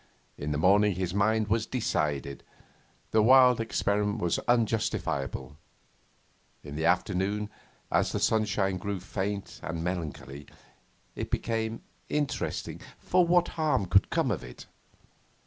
In the morning his mind was decided: the wild experiment was unjustifiable; in the afternoon, as the sunshine grew faint and melancholy, it became 'interesting, for what harm could come of it?